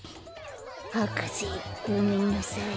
博士ごめんなさい。